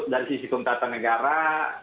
dari sisi kumtata negara